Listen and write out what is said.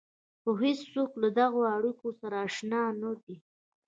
خو هېڅوک له دغو اړيکو سره اشنا نه دي.